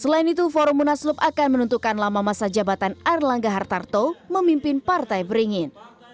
selain itu forum munaslup akan menentukan lama masa jabatan erlangga hartarto memimpin partai beringin